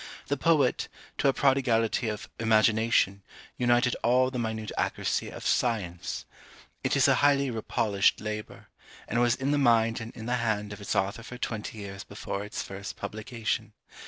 The poet, to a prodigality of IMAGINATION, united all the minute accuracy of SCIENCE. It is a highly repolished labour, and was in the mind and in the hand of its author for twenty years before its first publication.